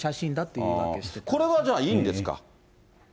これはじゃあ、いいんですか。